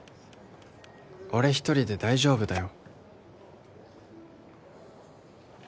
「俺一人で大丈夫だよ」